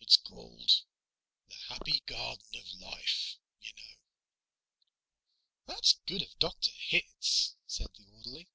"It's called 'The Happy Garden of Life,' you know." "That's good of Dr. Hitz," said the orderly.